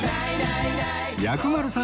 薬丸さん